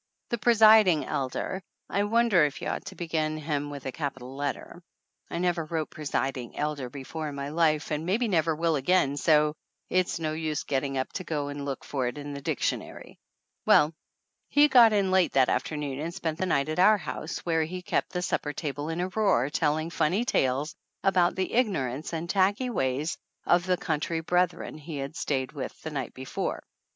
The presiding elder (I "wonder if you ought to begin him with a capital letter? I never wrote "presiding elder" before in my life and maybe never will again, so it's no use get ting up to go and look for it in the dictionary) well, he got in late that afternoon and spent the night at our house where he kept the supper table in a roar telling funny tales about the ignorance and tacky ways of the country breth ren he had stayed with the night before.